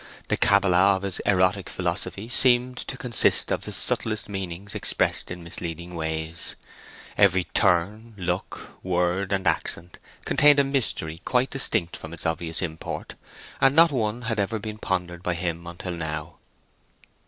The cabala of this erotic philosophy seemed to consist of the subtlest meanings expressed in misleading ways. Every turn, look, word, and accent contained a mystery quite distinct from its obvious import, and not one had ever been pondered by him until now.